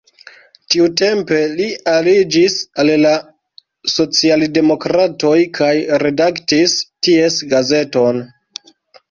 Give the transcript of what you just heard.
Tiutempe li aliĝis al la socialdemokratoj kaj redaktis ties gazeton.